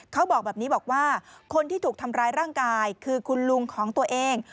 เขาบอกแบบนี้บอกว่าคนที่ถูกทำร้ายร่างกายคือคุณลุงของตัวเอง